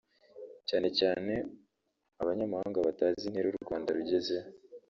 cyane cyane abanyamahanga batazi intera u Rwanda rugezeho